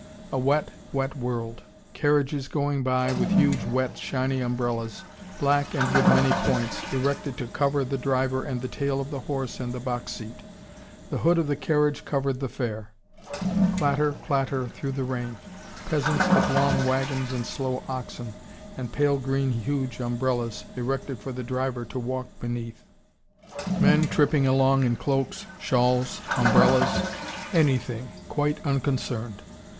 A wet, wet world. Carriages going by, with huge wet shiny umbrellas, black and with many points, erected to cover the driver and the tail of the horse and the box seat. The hood of the carriage covered the fare. Clatter clatter through the rain. Peasants with long wagons and slow oxen, and pale green huge umbrellas erected for the driver to walk beneath. Men tripping along in cloaks, shawls, umbrellas, anything, quite unconcerned.